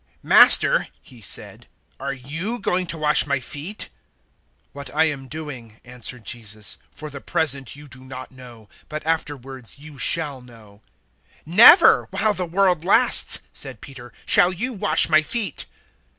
"Master," he said, "are *you* going to wash my feet?" 013:007 "What I am doing," answered Jesus, "for the present you do not know, but afterwards you shall know." 013:008 "Never, while the world lasts," said Peter, "shall you wash my feet."